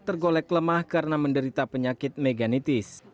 tergolek lemah karena menderita penyakit meganitis